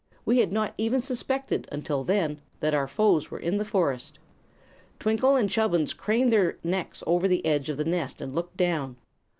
We had not even suspected, until then, that our foes were in the forest." Twinkle and Chubbins craned their necks over the edge of the nest and looked down.